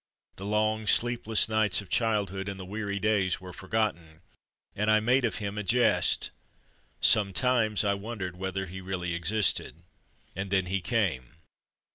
The long, sleepless nights of childhood and the weary days were forgotten, and I made of him a jest. Sometimes I wondered whether he really existed. And then he came.